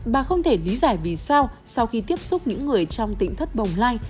bà không thể lý giải vì sao sau khi tiếp xúc những người trong tỉnh thất bồng lai